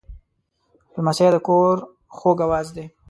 لمسی د کور خوږ آواز دی.